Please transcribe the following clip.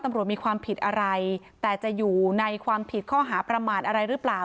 ตำรวจมีความผิดอะไรแต่จะอยู่ในความผิดข้อหาประมาทอะไรหรือเปล่า